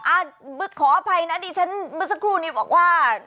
ขออภัยนะดิฉันเมื่อสักครู่นี้บอกว่า